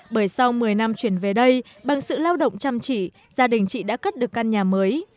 bởi sau một mươi năm chuyển về đây bằng sự lao động chăm chỉ gia đình chị đã cất được căn nhà mới